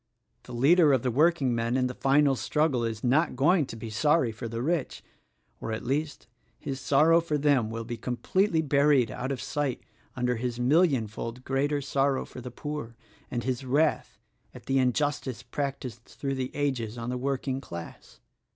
The leader of the workingmen in the final struggle is not going to be sorry for the rich — or, at least, his sor row for them will be completely buried out of sight under his millionfold greater sorrow for the poor and his wrath at the injustice practiced through the ages on the working class.